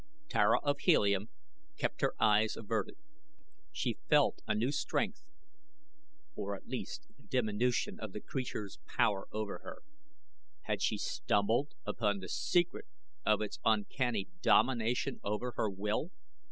Tara of Helium kept her eyes averted. She felt a new strength, or at least a diminution of the creature's power over her. Had she stumbled upon the secret of its uncanny domination over her will?